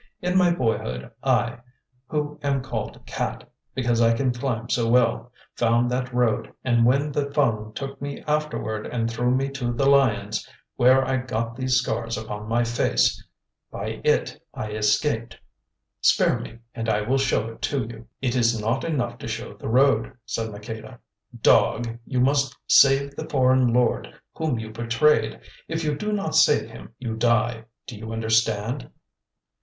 In my boyhood I, who am called Cat, because I can climb so well, found that road, and when the Fung took me afterward and threw me to the lions, where I got these scars upon my face, by it I escaped. Spare me, and I will show it to you." "It is not enough to show the road," said Maqueda. "Dog, you must save the foreign lord whom you betrayed. If you do not save him you die. Do you understand?"